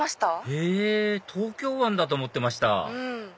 へぇ東京湾だと思ってました